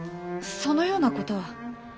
そのようなことは。